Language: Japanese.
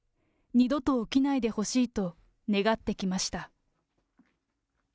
二度と起きないでほしいと願ってきました。